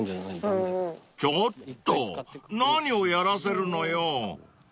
［ちょっと何をやらせるのよ？］